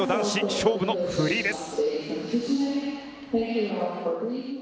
勝負のフリーです。